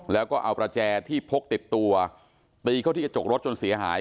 แล้วก็เอาประแจที่พกติดตัวตีเข้าที่กระจกรถจนเสียหาย